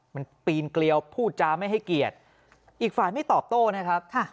มันปีนเกลียวพูดจาไม่ให้เกียรติอีกฝ่ายไม่ตอบโต้นะครับ